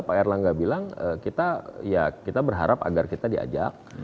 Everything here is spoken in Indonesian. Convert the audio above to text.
pak erlangga bilang kita berharap agar kita diajak